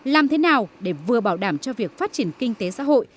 làm thế nào để vừa bảo đảm cho việc phát triển kinh tế xã hội